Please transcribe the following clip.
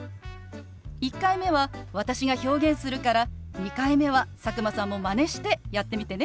１回目は私が表現するから２回目は佐久間さんもマネしてやってみてね。